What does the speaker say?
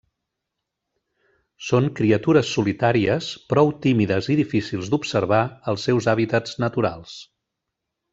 Són criatures solitàries prou tímides i difícils d'observar als seus hàbitats naturals.